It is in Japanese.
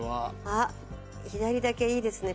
あっ左だけいいですね